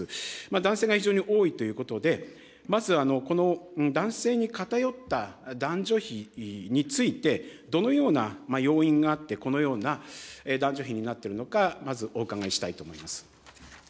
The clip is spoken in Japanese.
男性が非常に多いということで、まずこの男性に偏った男女比について、どのような要因があってこのような男女比になっているのか、まずお伺いしたいと思います。